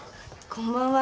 こんばんは。